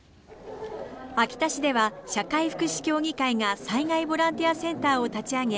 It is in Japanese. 秋田市では社会福祉協議会が災害ボランティアセンターを立ち上げ